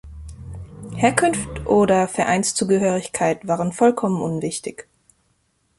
Herkunft oder Vereinszugehörigkeit waren vollkommen unwichtig.